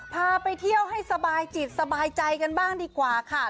พาไปเที่ยวให้สบายจิตสบายใจกันบ้างดีกว่าค่ะ